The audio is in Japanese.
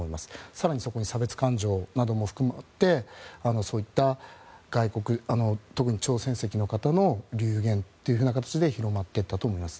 更に差別感情なども含めて特に朝鮮籍の方の流言という形で広まっていったと思います。